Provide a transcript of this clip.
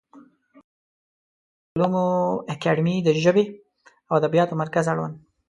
د افغانستان د علومو اکاډمي د ژبو او ادبیاتو مرکز اړوند